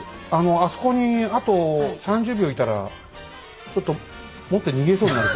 あそこにあと３０秒いたらちょっと持って逃げそうになるから。